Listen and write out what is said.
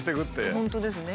本当ですね。